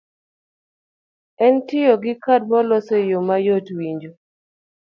en tiyo gi kad molos e yo mayot winjo.